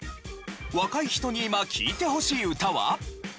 若い人に今聴いてほしい歌は？